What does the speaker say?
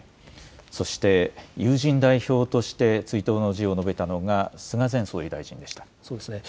そして友人代表として追悼の辞を述べたのが、菅前総理大臣でそうですね。